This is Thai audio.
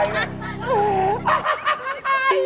หยุดเลย